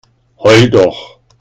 Heul doch!